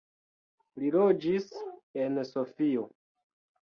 Li loĝis en Sofio.